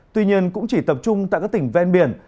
tuy nhiên cũng chỉ tập trung tại các tỉnh ven biển